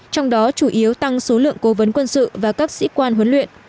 trong đó chủ yếu tăng số lượng cố vấn quân sự và các sĩ quan huấn luyện